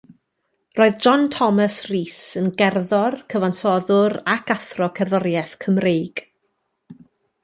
Roedd John Thomas Rees yn gerddor, cyfansoddwr ac athro cerddoriaeth Cymreig.